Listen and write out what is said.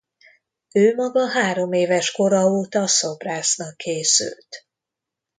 Ő maga hároméves kora óta szobrásznak készült.